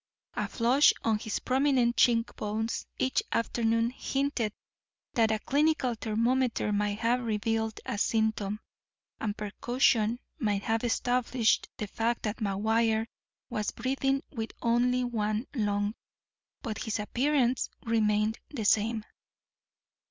A flush on his prominent cheek bones each afternoon hinted that a clinical thermometer might have revealed a symptom, and percussion might have established the fact that McGuire was breathing with only one lung, but his appearance remained the same.